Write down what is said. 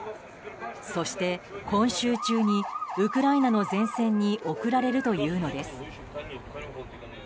そして今週中にウクライナの前線に送られるというのです。